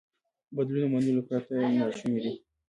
بدلون له منلو پرته ناشونی دی.